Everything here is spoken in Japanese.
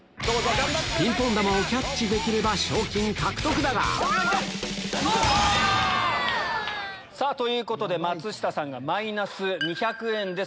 ピンポン球をキャッチできれば賞金獲得だがということで松下さんがマイナス２００円です